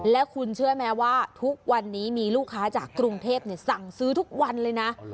แล้วคุณเชื่อไหมว่าทุกวันนี้มีลูกค้าจากกรุงเทพสั่งซื้อทุกวันเลยนะ